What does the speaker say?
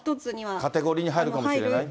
カテゴリーに入るかもしれないって。